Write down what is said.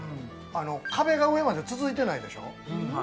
壁が上まで続いてないでしょ。